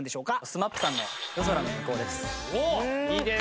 ＳＭＡＰさんの『夜空ノムコウ』です。